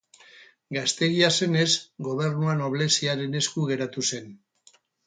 Gazteegia zenez, gobernua nobleziaren esku geratu zen.